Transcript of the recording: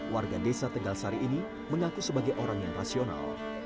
warga desa tegal sari ini mengaku sebagai orang yang rasional